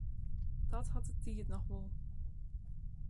Dat hat de tiid noch wol.